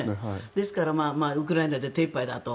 ですからウクライナで手いっぱいだと。